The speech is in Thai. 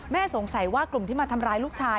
สงสัยว่ากลุ่มที่มาทำร้ายลูกชาย